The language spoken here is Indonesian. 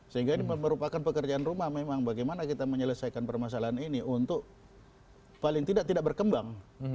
sehingga ini merupakan pekerjaan rumah memang bagaimana kita menyelesaikan permasalahan ini untuk paling tidak tidak berkembang